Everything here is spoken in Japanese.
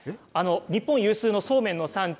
日本有数のそうめんの産地